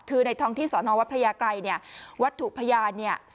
คือในท้องที่สวพยาไกรเนี่ยวัตถุพยานเนี่ย